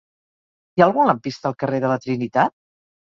Hi ha algun lampista al carrer de la Trinitat?